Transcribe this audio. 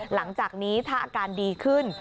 หลังจากนี้ถ้าอาการดีขึ้น